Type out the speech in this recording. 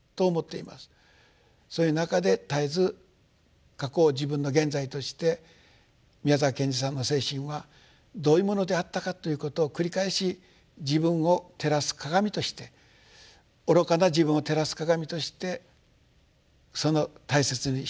そういう中で絶えず過去を自分の現在として宮沢賢治さんの精神はどういうものであったかということを繰り返し自分を照らす鏡として愚かな自分を照らす鏡として大切にしたい。